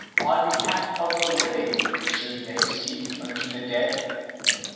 on behalf of the living should they seek unto the dead